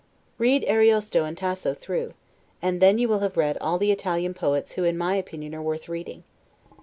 Read Ariosto and Tasso through, and then you will have read all the Italian poets who in my opinion are worth reading.